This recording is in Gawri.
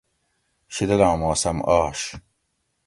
شیدلاں موسم آش